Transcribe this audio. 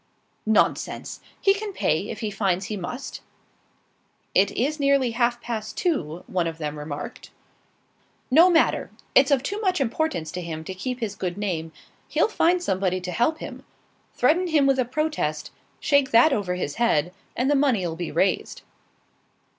"Nonsense! He can pay, if he finds he must." "It is nearly half past two," one of them remarked. "No matter. It's of too much importance to him to keep his good name; he'll find somebody to help him. Threaten him with a protest; shake that over his head, and the money'll be raised."